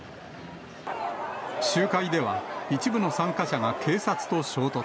集会では、一部の参加者が警察と衝突。